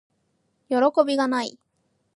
よろこびがない～